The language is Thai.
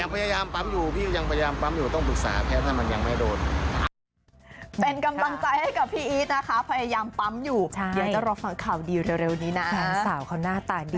ก็ยังประยามปั๊มต้องปรึกษาแค่ถ้างั้นยังไม่โดน